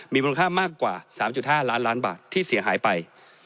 มีมูลค่ามากกว่า๓๕ล้านล้านบาทที่เสียหายไป